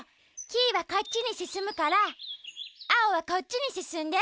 キイはこっちにすすむからアオはこっちにすすんで。